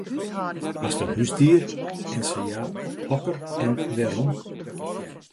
Hast in húsdier en sa ja, hokker en wêrom?